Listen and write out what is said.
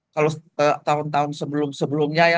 kalau tahun tahun sebelumnya